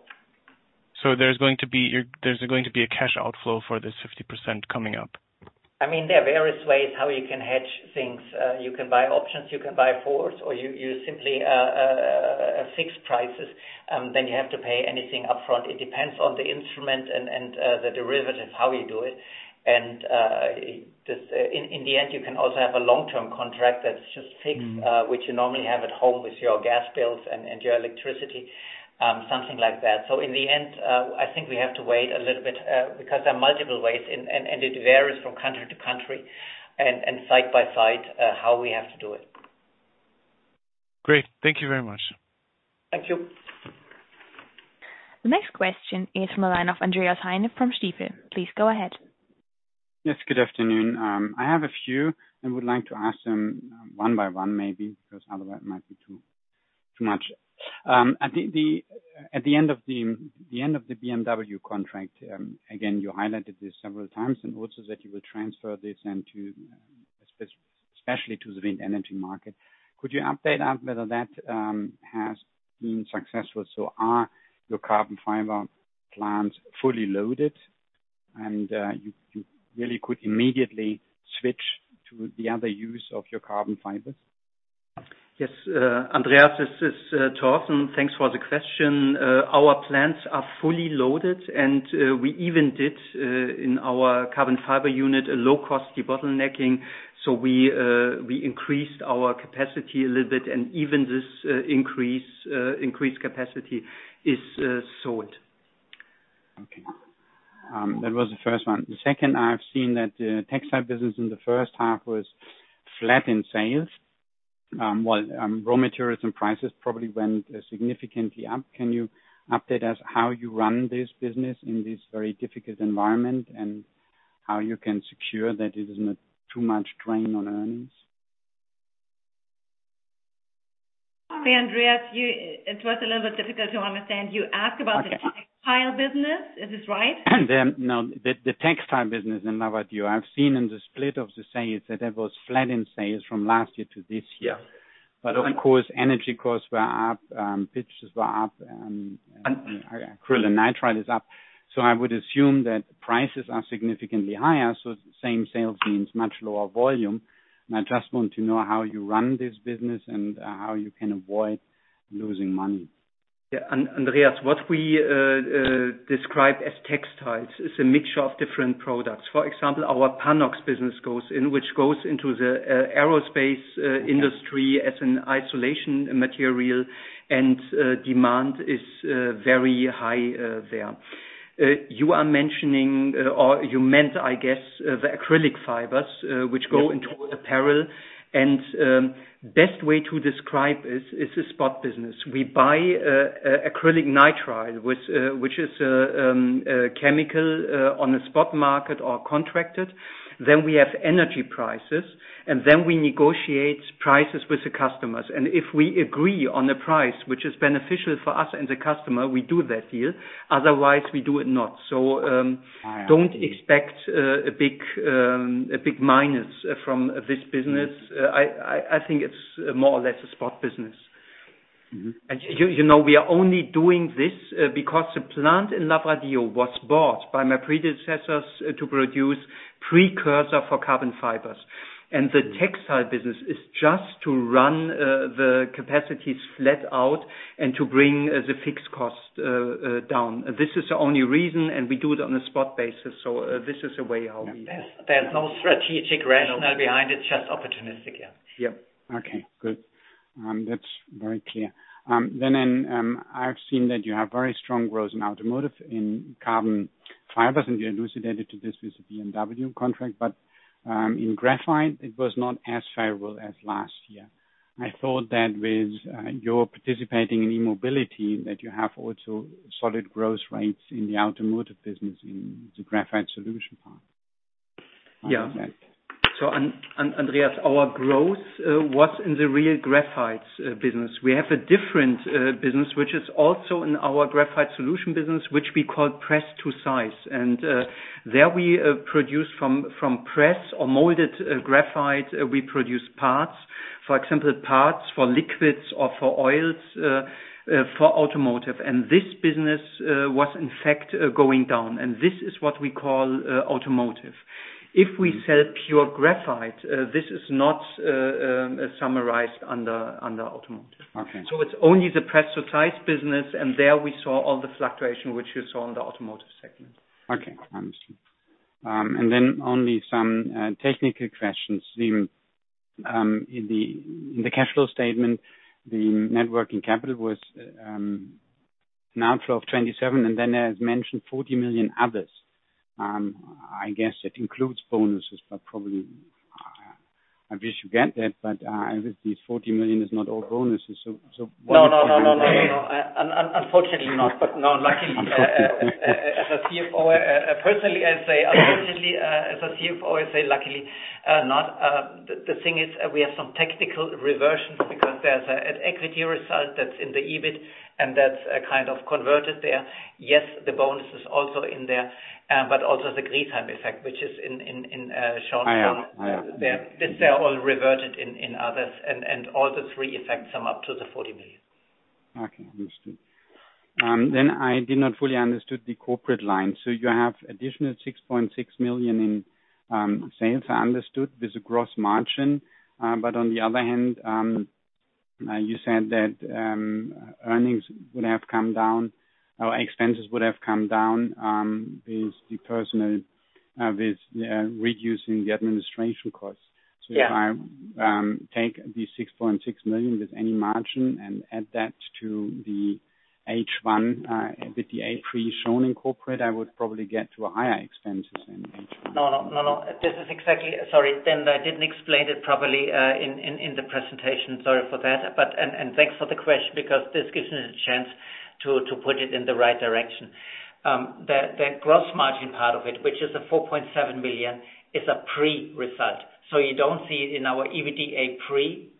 There's going to be a cash outflow for this 50% coming up. I mean, there are various ways how you can hedge things. You can buy options, you can buy forwards, or you simply fix prices, then you have to pay anything upfront. It depends on the instrument and the derivatives, how you do it. Just in the end, you can also have a long-term contract that's just fixed. Mm. which you normally have at home with your gas bills and your electricity, something like that. In the end, I think we have to wait a little bit, because there are multiple ways and it varies from country to country and site by site, how we have to do it. Great. Thank you very much. Thank you. The next question is the line of Andreas Heine from Stifel. Please go ahead. Yes, good afternoon. I have a few and would like to ask them one by one, maybe, because otherwise it might be too much. I think at the end of the BMW contract, again, you highlighted this several times, and also that you will transfer this into especially to the wind energy market. Could you update us whether that has been successful? Are your carbon fiber plants fully loaded and you really could immediately switch to the other use of your carbon fibers? Yes, Andreas, this is Torsten. Thanks for the question. Our plants are fully loaded, and we even did in our carbon fiber unit a low-cost debottlenecking, so we increased our capacity a little bit and even this increased capacity is sold. Okay. That was the first one. The second, I've seen that textile business in the first half was flat in sales, while raw materials and prices probably went significantly up. Can you update us how you run this business in this very difficult environment, and how you can secure that it is not too much drain on earnings? Sorry, Andreas. It was a little bit difficult to understand. You asked about Okay. The textile business. Is this right? The textile business in Lavradio. I've seen in the split of the sales that it was flat in sales from last year to this year. Yeah. Of course, energy costs were up, pitches were up, and acrylonitrile is up. I would assume that prices are significantly higher, so same sales means much lower volume. I just want to know how you run this business and how you can avoid losing money. Andreas, what we describe as textiles is a mixture of different products. For example, our PANOX business goes in, which goes into the aerospace industry as an insulation material, and demand is very high there. You are mentioning or you meant, I guess, the acrylic fibers, which go into apparel and best way to describe is a spot business. We buy acrylonitrile, which is a chemical, on the spot market or contracted. Then we have energy prices, and then we negotiate prices with the customers. If we agree on the price, which is beneficial for us and the customer, we do that deal. Otherwise, we do it not. Okay. Don't expect a big minus from this business. I think it's more or less a spot business. You know, we are only doing this because the plant in Lavradio was bought by my predecessors to produce precursor for carbon fibers. The textile business is just to run the capacities flat out and to bring the fixed cost down. This is the only reason, and we do it on a spot basis. This is a way how we. There's no strategic rationale behind it, just opportunistic, yeah. Yeah. Okay, good. That's very clear. I've seen that you have very strong growth in automotive in carbon fibers, and you alluded to this with the BMW contract. In Graphite it was not as favorable as last year. I thought that with your participating in e-mobility, that you have also solid growth rates in the automotive business in the Graphite Solutions part. Yeah. How is that? Andreas, our growth was in the real graphites business. We have a different business, which is also in our Graphite Solutions business, which we call pressed-to-size. There we produce from press or molded graphite, we produce parts, for example, parts for liquids or for oils for automotive. This business was in fact going down, and this is what we call automotive. If we sell pure graphite, this is not summarized under automotive. Okay. It's only the pressed-to-size business, and there we saw all the fluctuation, which you saw in the automotive segment. Okay. Understood. Only some technical questions. In the cash flow statement, the net working capital was an outflow of 27 million, and then as mentioned, 40 million others. I guess it includes bonuses, but probably I wish you get that, but obviously 40 million is not all bonuses. What- No. Unfortunately not, but no, luckily. As a CFO, personally I say unfortunately, as a CFO, I say luckily, not. The thing is, we have some technical reversions because there's an equity result that's in the EBIT, and that's kind of converted there. Yes, the bonus is also in there, but also the Griesheim effect, which is shown. I have. They're all reverted in others and all the three effects sum up to the 40 million. Okay. Understood. I did not fully understood the corporate line. You have additional 6.6 million in sales, I understood with the gross margin. On the other hand, you said that earnings would have come down or expenses would have come down with the personnel reducing the administration costs. Yeah. If I take the 6.6 million without any margin and add that to the H1 with the EBITDA pre shown in corporate, I would probably get to higher expenses in H1. No. This is exactly. Sorry, then I didn't explain it properly in the presentation. Sorry for that. Thanks for the question because this gives me the chance to put it in the right direction. The gross margin part of it, which is the 4.7 million, is a pre-result. You don't see it in our EBITDA pre.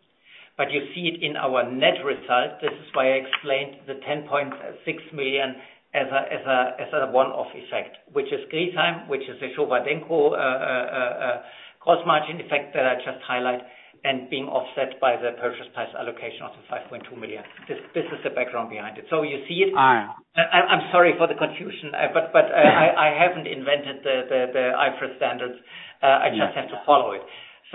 But you see it in our net result. This is why I explained the 10.6 million as a one-off effect, which is Griesheim, which is the Showa Denko cost margin effect that I just highlight and being offset by the purchase price allocation of the 5.2 million. This is the background behind it. You see it. All right. I'm sorry for the confusion, but I haven't invented the IFRS standards. Yeah. I just have to follow it.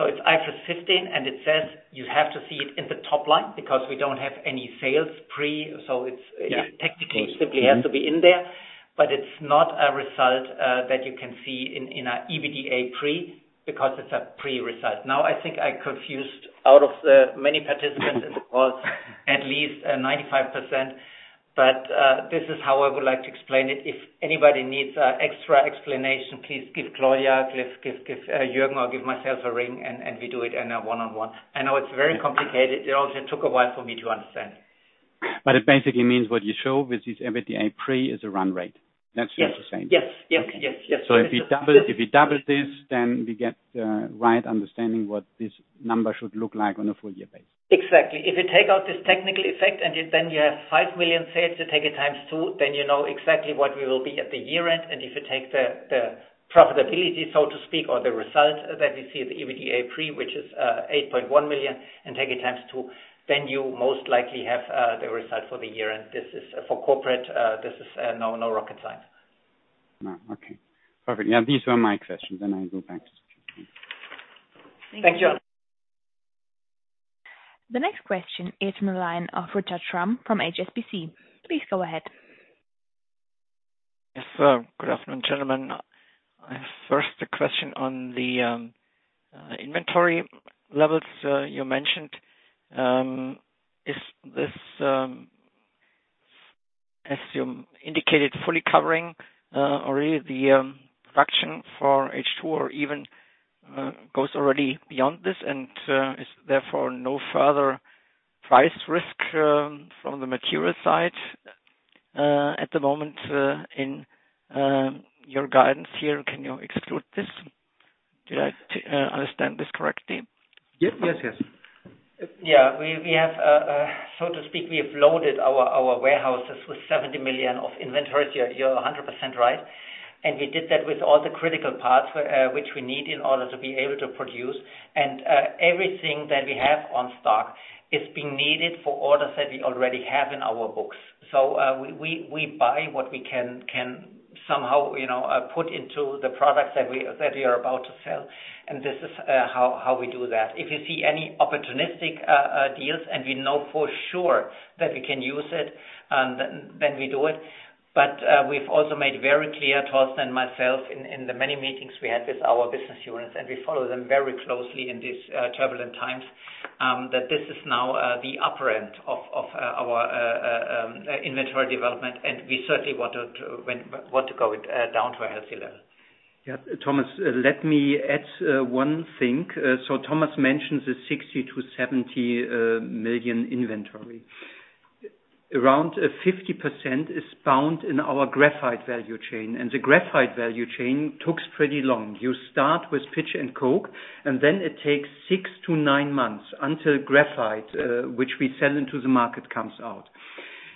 It's IFRS 15, and it says you have to see it in the top line because we don't have any sales pre, so it's. Yeah. Technically simply has to be in there, but it's not a result that you can see in our EBITDA pre, because it's a pre-result. Now, I think I confused a lot of participants as well, at least 95%. This is how I would like to explain it. If anybody needs extra explanation, please give Claudia, give Jürgen or give myself a ring, and we do it in a one-on-one. I know it's very complicated. It also took a while for me to understand. It basically means what you show with this EBITDA pre is a run rate. That's just the same. Yes. If you double this, then we get the right understanding what this number should look like on a full year basis. Exactly. If you take out this technical effect, and then you have 5 million sales, you take it times two, then you know exactly what we will be at the year-end. If you take the profitability, so to speak, or the result that you see of the EBITDA pre, which is 8.1 million, and take it times two, then you most likely have the result for the year-end. This is for corporate. This is no rocket science. No. Okay. Perfect. Yeah. These were my questions, and I'll go back to Thank you. Thank you. The next question is from the line of Richard Schramm from HSBC. Please go ahead. Yes. Good afternoon, gentlemen. I have first a question on the inventory levels you mentioned. Is this, as you indicated, fully covering or the reduction for H2 or even goes already beyond this and is therefore no further price risk from the material side at the moment in your guidance here, can you exclude this? Did I understand this correctly? Yes. Yeah. We have so to speak loaded our warehouses with 70 million of inventory. You're 100% right. We did that with all the critical parts which we need in order to be able to produce. Everything that we have on stock is being needed for orders that we already have in our books. We buy what we can somehow you know put into the products that we are about to sell, and this is how we do that. If we see any opportunistic deals, and we know for sure that we can use it, then we do it. We've also made very clear, Torsten and myself, in the many meetings we had with our business units, and we follow them very closely in these turbulent times, that this is now the upper end of our inventory development, and we certainly want to get it down to a healthy level. Yeah. Thomas, let me add one thing. Thomas mentions the 60 million-70 million inventory. Around a 50% is bound in our graphite value chain, and the graphite value chain takes pretty long. You start with pitch and coke, and then it takes six to nine months until graphite, which we sell into the market, comes out.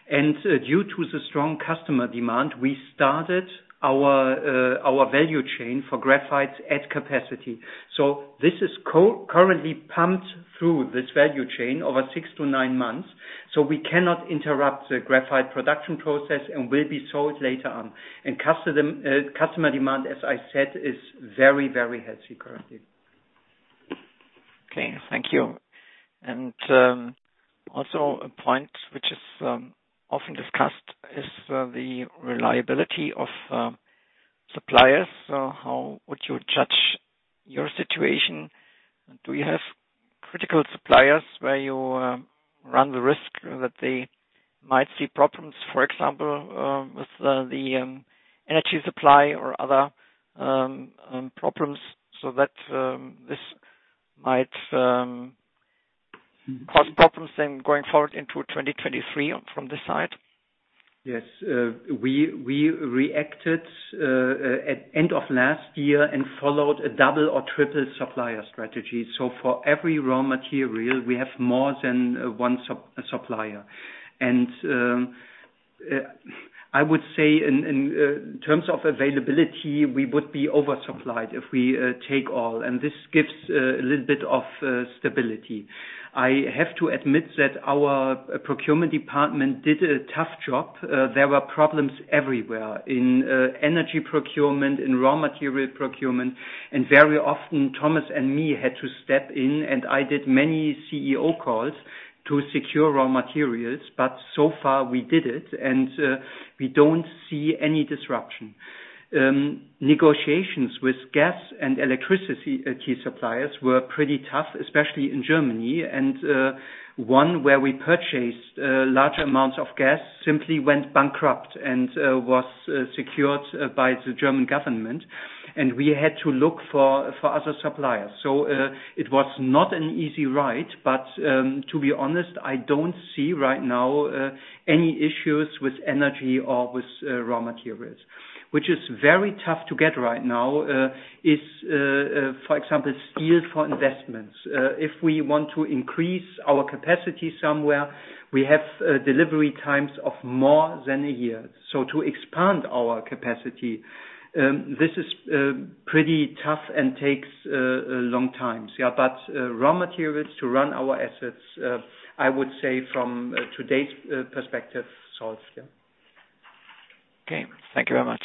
Due to the strong customer demand, we started our value chain for graphite at capacity. This is concurrently pumped through this value chain over six to nine months, so we cannot interrupt the graphite production process and will be sold later on. Customer demand, as I said, is very, very healthy currently. Okay. Thank you. Also, a point which is often discussed is the reliability of suppliers. How would you judge your situation? Do you have critical suppliers where you run the risk that they might see problems, for example, with the energy supply or other problems so that this might cause problems then going forward into 2023 from this side? Yes. We reacted at end of last year and followed a double or triple supplier strategy. For every raw material, we have more than one supplier. I would say in terms of availability, we would be oversupplied if we take all, and this gives a little bit of stability. I have to admit that our procurement department did a tough job. There were problems everywhere in energy procurement, in raw material procurement, and very often, Thomas and me had to step in, and I did many CEO calls to secure raw materials, but so far we did it, and we don't see any disruption. Negotiations with gas and electricity key suppliers were pretty tough, especially in Germany. One where we purchased large amounts of gas simply went bankrupt and was secured by the German government. We had to look for other suppliers. It was not an easy ride, but to be honest, I don't see right now any issues with energy or with raw materials. What is very tough to get right now is, for example, steel for investments. If we want to increase our capacity somewhere, we have delivery times of more than a year. To expand our capacity, this is pretty tough and takes a long time. Yeah, but raw materials to run our assets, I would say from today's perspective, solid, yeah. Okay. Thank you very much.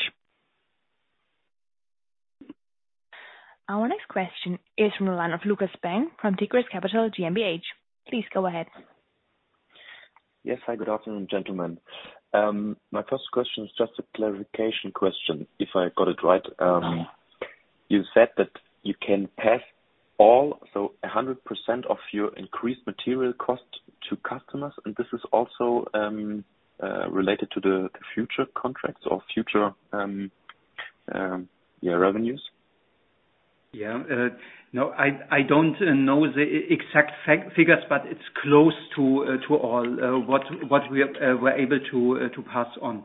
Our next question is from the line of Lukas Spang from Tigris Capital GmbH. Please go ahead. Yes. Hi, good afternoon, gentlemen. My first question is just a clarification question. If I got it right, you said that you can pass all, so 100% of your increased material costs to customers, and this is also related to the future contracts or future revenues? Yeah. No, I don't know the exact figures, but it's close to all what we were able to pass on.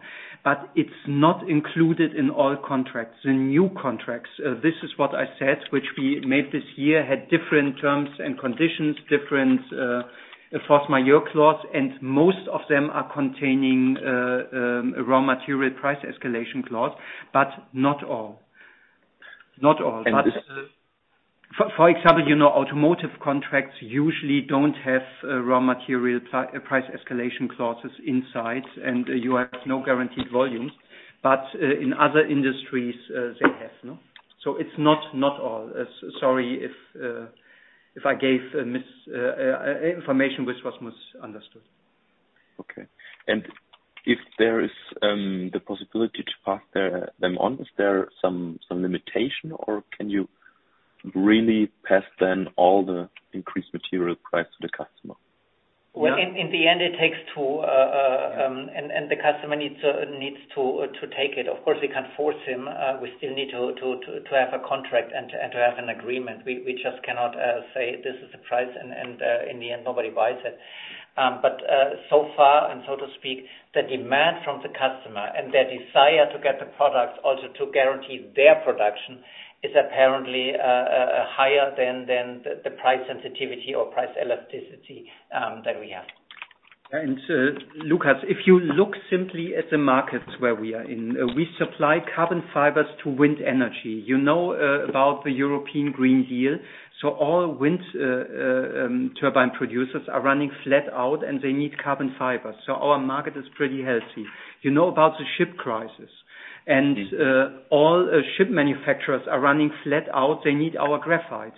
It's not included in all contracts. The new contracts, this is what I said, which we made this year, had different terms and conditions, different force majeure clause, and most of them are containing a raw material price escalation clause, but not all. And. For example, you know, automotive contracts usually don't have a raw material price escalation clauses inside, and you have no guaranteed volumes. In other industries, they have, you know. It's not all. Sorry if I gave a misinformation which was misunderstood. Okay. If there is the possibility to pass them on, is there some limitation, or can you really pass them all the increased material price to the customer? Well, in the end it takes two to and the customer needs to take it. Of course, we can't force him. We still need to have a contract and to have an agreement. We just cannot say, "This is the price," and in the end, nobody buys it. But so far, and so to speak, the demand from the customer and their desire to get the product also to guarantee their production is apparently higher than the price sensitivity or price elasticity that we have. Lukas, if you look simply at the markets where we are in, we supply carbon fibers to wind energy. You know about the European Green Deal. All wind turbine producers are running flat out, and they need carbon fibers. Our market is pretty healthy. You know about the chip crisis. All chip manufacturers are running flat out. They need our graphite.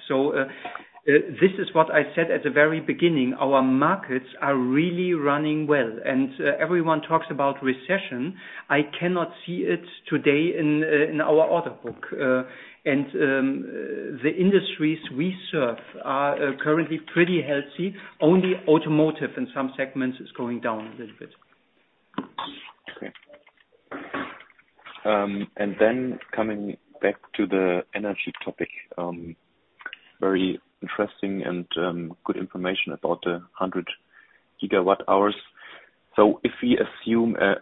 This is what I said at the very beginning. Our markets are really running well. Everyone talks about recession. I cannot see it today in our order book. The industries we serve are currently pretty healthy. Only automotive in some segments is going down a little bit. Okay. Coming back to the energy topic, very interesting and good information about the 100 GWh. If we assume a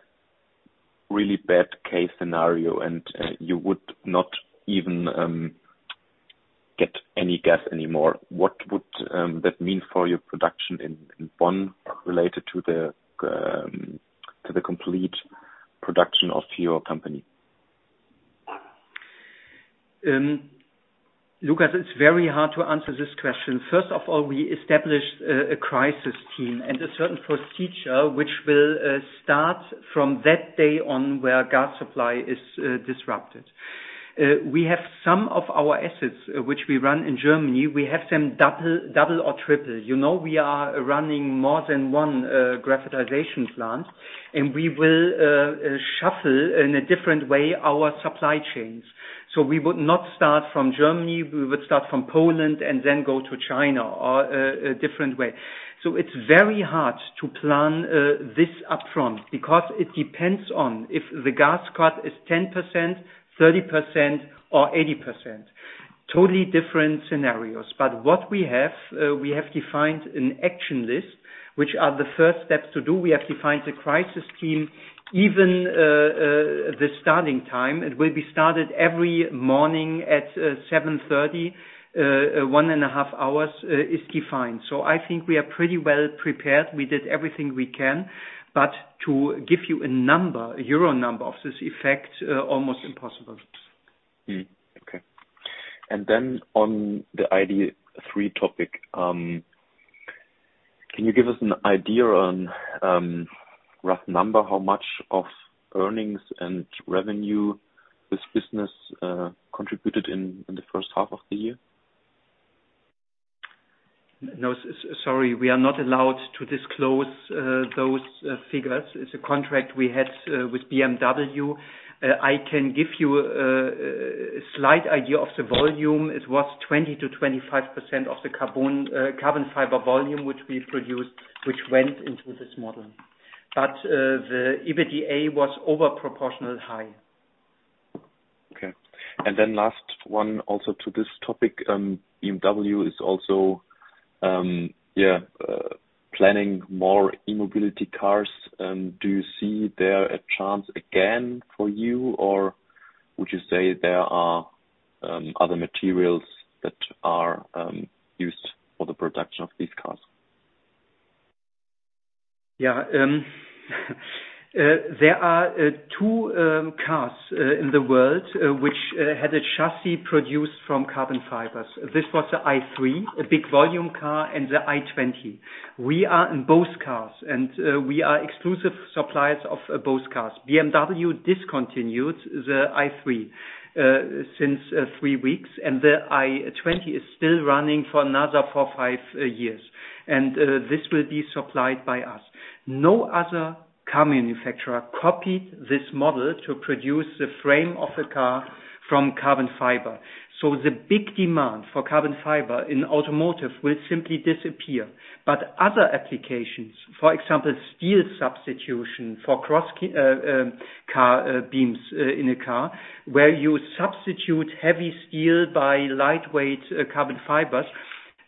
really bad case scenario and you would not even get any gas anymore, what would that mean for your production in Bonn related to the complete production of your company? Lukas, it's very hard to answer this question. First of all, we established a crisis team and a certain procedure which will start from that day on where gas supply is disrupted. We have some of our assets which we run in Germany, we have them double or triple. You know, we are running more than one graphitization plant, and we will shuffle in a different way our supply chains. We would not start from Germany, we would start from Poland and then go to China or a different way. It's very hard to plan this up front because it depends on if the gas cut is 10%, 30% or 80%. Totally different scenarios. What we have, we have defined an action list, which are the first steps to do. We have defined the crisis team, even the starting time. It will be started every morning at 7:30 A.M., 1.5 Hours is defined. I think we are pretty well prepared. We did everything we can. To give you a number, an euro number of this effect, almost impossible. Okay. On the i3 topic, can you give us an idea on rough number, how much of earnings and revenue this business contributed in the first half of the year? No, sorry, we are not allowed to disclose those figures. It's a contract we had with BMW. I can give you a slight idea of the volume. It was 20%-25% of the carbon fiber volume which we produced, which went into this model. The EBITDA was disproportionately high. Okay. Last one also to this topic, BMW is also planning more e-mobility cars. Do you see there a chance again for you, or would you say there are other materials that are used for the production of these cars? Yeah. There are two cars in the world which had a chassis produced from carbon fibers. This was the i3, a big volume car, and the i20. We are in both cars, and we are exclusive suppliers of both cars. BMW discontinued the i3 since three weeks, and the i20 is still running for another four to five years. This will be supplied by us. No other car manufacturer copied this model to produce the frame of the car from carbon fiber. The big demand for carbon fiber in automotive will simply disappear. Other applications, for example, steel substitution for cross car beams in a car, where you substitute heavy steel by lightweight carbon fibers,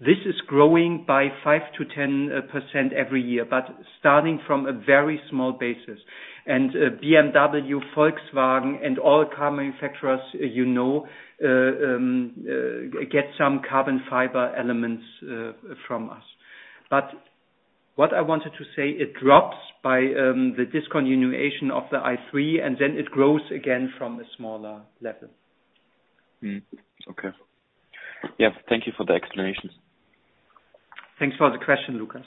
this is growing by 5%-10% every year but starting from a very small basis. BMW, Volkswagen and all car manufacturers you know get some carbon fiber elements from us. What I wanted to say, it drops by the discontinuation of the i3, and then it grows again from a smaller level. Okay. Yeah, thank you for the explanation. Thanks for the question, Lukas.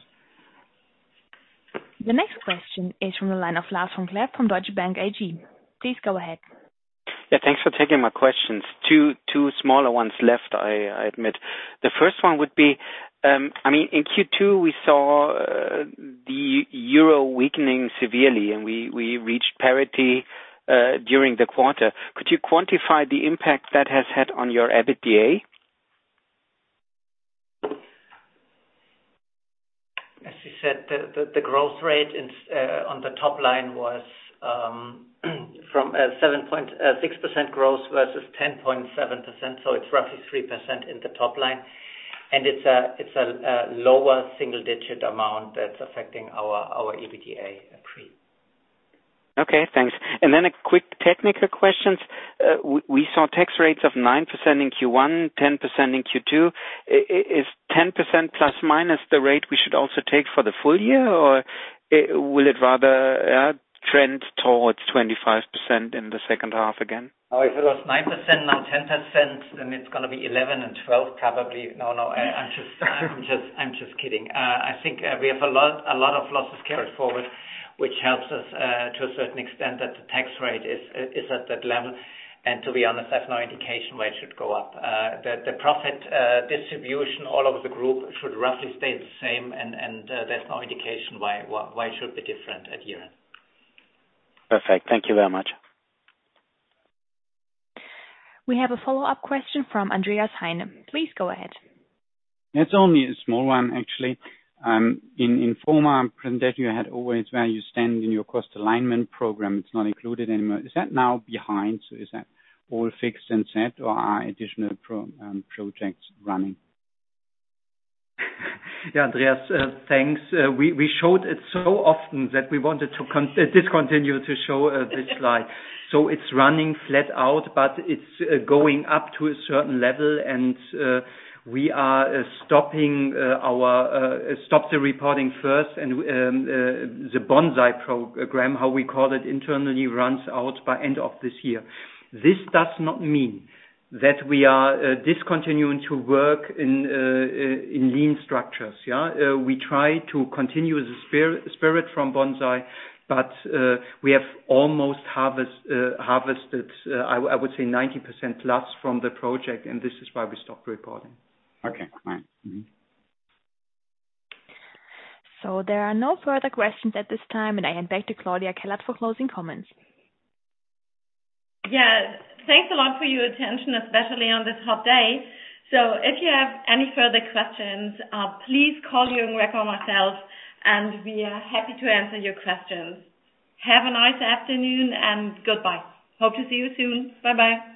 The next question is from the line of Lars Vom-Cleff from Deutsche Bank AG. Please go ahead. Yeah, thanks for taking my questions. Two smaller ones left, I admit. The first one would be, I mean, in Q2, we saw the euro weakening severely, and we reached parity during the quarter. Could you quantify the impact that has had on your EBITDA? As you said, the growth rate in sales on the top line was from 7.6% growth versus 10.7%, so it's roughly 3% in the top line. It's a lower single digit amount that's affecting our EBITDA pre. Okay, thanks. A quick technical question. We saw tax rates of 9% in Q1, 10% in Q2. Is 10%± the rate we should also take for the full year, or will it rather trend towards 25% in the second half again? Oh, if it was 9%, now 10%, then it's gonna be 11% and 12% probably. No, I'm just kidding. I think we have a lot of losses carried forward, which helps us to a certain extent that the tax rate is at that level. To be honest, there's no indication why it should go up. The profit distribution all over the group should roughly stay the same and there's no indication why it should be different at year-end. Perfect. Thank you very much. We have a follow-up question from Andreas Heine. Please go ahead. It's only a small one, actually. In former presentation, you had always where you stand in your cost alignment program. It's not included anymore. Is that now behind? Is that all fixed and set, or are additional projects running? Yeah, Andreas, thanks. We showed it so often that we wanted to discontinue to show this slide. It's running flat out, but it's going up to a certain level and we are stopping the reporting first and the Bonsai program, how we call it internally, runs out by end of this year. This does not mean that we are discontinuing to work in lean structures, yeah? We try to continue the spirit from Bonsai, but we have almost harvested, I would say 90%+ from the project, and this is why we stopped reporting. Okay. All right. There are no further questions at this time, and I hand back to Claudia Kellert for closing comments. Yeah. Thanks a lot for your attention, especially on this hot day. If you have any further questions, please call Jürgen Reck or myself, and we are happy to answer your questions. Have a nice afternoon and goodbye. Hope to see you soon. Bye-bye.